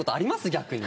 逆に。